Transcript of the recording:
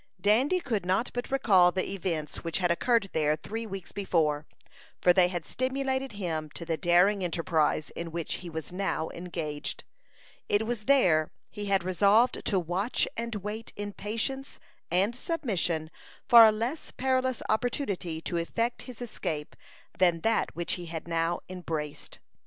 Dandy could not but recall the events which had occurred there three weeks before, for they had stimulated him to the daring enterprise in which he was now engaged. It was there he had resolved to watch and wait in patience and submission for a less perilous opportunity to effect his escape than that which he had now embraced.